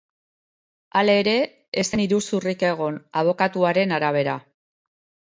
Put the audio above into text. Hala ere, ez zen iruzurrik egon, abokatuaren arabera.